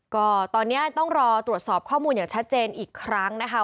ก็ตอนนี้ต้องรอตรวจสอบข้อมูลอย่างชัดเจนอีกครั้งนะคะ